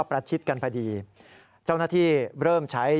พระบุว่าจะมารับคนให้เดินทางเข้าไปในวัดพระธรรมกาลนะคะ